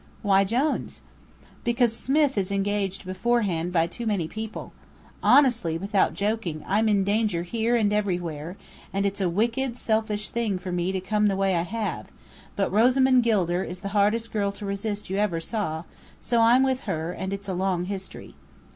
"Why Jones?" "Because Smith is engaged beforehand by too many people. Honestly, without joking, I'm in danger here and everywhere, and it's a wicked, selfish thing for me to come the way I have; but Rosamond Gilder is the hardest girl to resist you ever saw, so I'm with her; and it's a long history."